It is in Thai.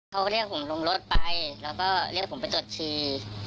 เขาก็เรียกผมลงรถไปแล้วก็เรียกผมไปตรวจชี